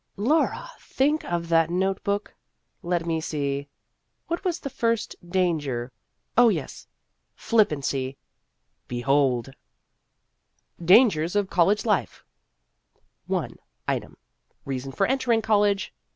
Laura, think of that note book ! Let me see what was the first " Danger "? Oh, yes, flippancy. Behold ! 260 Vassar Studies DANGERS OF COLLEGE LIFE I. Item : Reason for entering college.